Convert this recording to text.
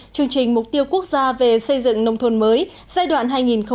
chương trình mục tiêu quốc gia về xây dựng nông thôn mới giai đoạn hai nghìn một mươi sáu hai nghìn hai mươi